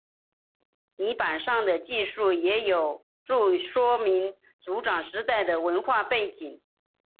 泥版上的记述也有助说明族长时代的文化背景。